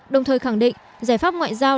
đồng thời khẳng định giải pháp ngoại giao